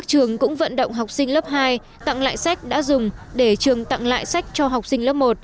học sinh đã dùng để trường tặng lại sách cho học sinh lớp một